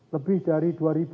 lebih dari dua juta